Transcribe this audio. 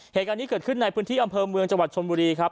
เหตุการณ์นี้เกิดขึ้นในพื้นที่อำเภอเมืองจังหวัดชนบุรีครับ